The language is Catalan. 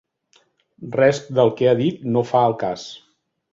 Res del que ha dit no fa al cas.